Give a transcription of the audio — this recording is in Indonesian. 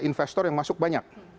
investor yang masuk banyak